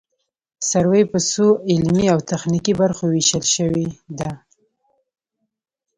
سروې په څو علمي او تخنیکي برخو ویشل شوې ده